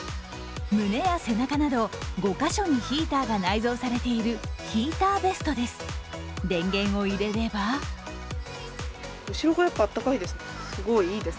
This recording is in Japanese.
胸や背中など５カ所にヒーターが内蔵されているヒーターベストです。